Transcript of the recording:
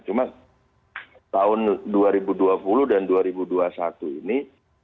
cuma tahun dua ribu dua puluh dan dua ribu dua puluh satu ini